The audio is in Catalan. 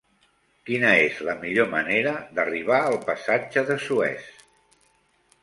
Quina és la millor manera d'arribar al passatge de Suez?